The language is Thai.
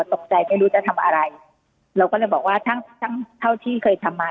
ตกใจไม่รู้จะทำอะไรเราก็เลยบอกว่าทั้งทั้งเท่าที่เคยทำมา